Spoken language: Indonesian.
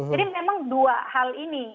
jadi memang dua hal ini